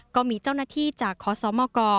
ก็มีเจ้าหน้าที่จากคอสเซาเมาคอ